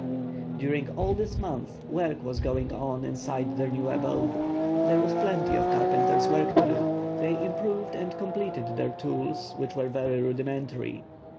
During all this month work was going on inside their new abode. There was plenty of carpenter's work to do. They improved and completed their tools, which were very rudimentary.